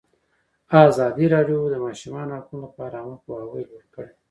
ازادي راډیو د د ماشومانو حقونه لپاره عامه پوهاوي لوړ کړی.